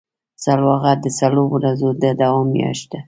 سلواغه د سړو ورځو د دوام میاشت ده.